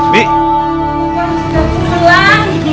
bikang sudah pulang